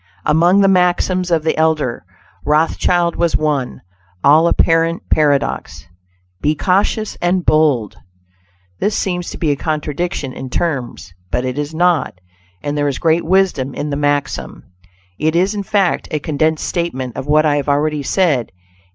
Among the maxims of the elder Rothschild was one, all apparent paradox: "Be cautious and bold." This seems to be a contradiction in terms, but it is not, and there is great wisdom in the maxim. It is, in fact, a condensed statement of what I have already said.